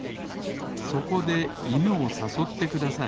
そこでいぬをさそってください